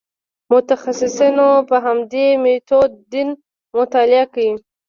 متخصصانو په همدې میتود دین مطالعه کړ.